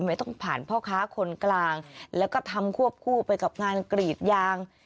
ไม่ต้องผ่านพ่อค้าคนกลางแล้วก็ทำควบคู่ไปกับงานกรีดยาง